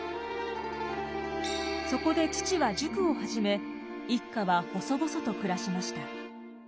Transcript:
そこで父は塾を始め一家は細々と暮らしました。